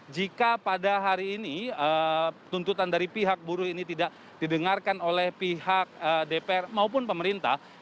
jika pada hari ini tuntutan dari pihak buruh ini tidak didengarkan oleh pihak dpr maupun pemerintah